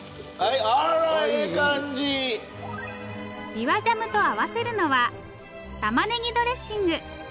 びわジャムと合わせるのは玉ねぎドレッシング。